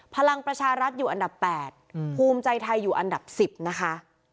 พลังประชารัฐอยู่อันดับ๘ภูมิใจไทยอยู่อันดับ๑๐นะคะ